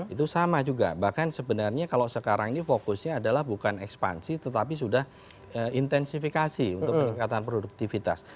itu sama juga bahkan sebenarnya kalau sekarang ini fokusnya adalah bukan ekspansi tetapi sudah intensifikasi untuk peningkatan produktivitas